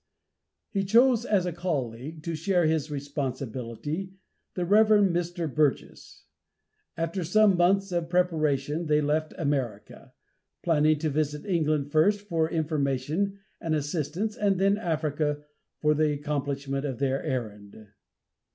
He chose as a colleague, to share his responsibility, the Rev. Mr. Burgess. After some months of preparation they left America, planning to visit England first for information and assistance and then Africa, for the accomplishment of their errand.